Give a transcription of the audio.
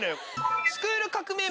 『スクール革命！』